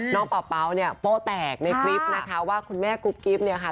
เป่าเป๋าเนี่ยโป้แตกในคลิปนะคะว่าคุณแม่กุ๊บกิ๊บเนี่ยค่ะ